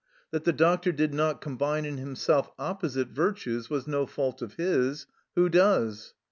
That the doctor did not combine in himself opposite virtues was no fault of his who does